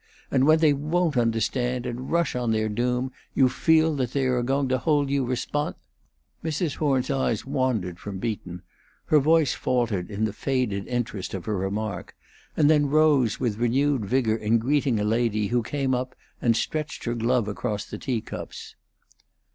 And when they won't understand, and rush on their doom, you feel that they are going to hold you respons " Mrs. Horn's eyes wandered from Beaton; her voice faltered in the faded interest of her remark, and then rose with renewed vigor in greeting a lady who came up and stretched her glove across the tea cups.